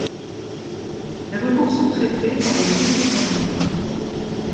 Les recours sont traités par les cours du travail.